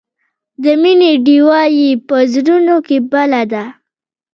د مینې ډیوه یې په زړونو کې بله ده.